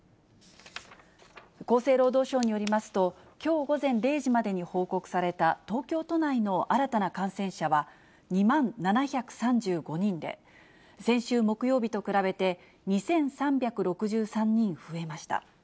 厚生労働省によりますと、きょう午前０時までに報告された、東京都内の新たな感染者は、２万７３５人で、先週木曜日と比べて２３６３人増えました。